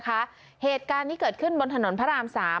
เหตุการณ์ที่เกิดขึ้นบนถนนพระราม๓